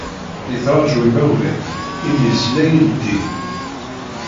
Yettraǧu imawlan, imi-s la ileddi.